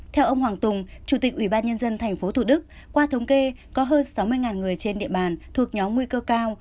theo ông hoàng tùng chủ tịch ủy ban nhân dân tp thủ đức qua thống kê có hơn sáu mươi người trên địa bàn thuộc nhóm nguy cơ cao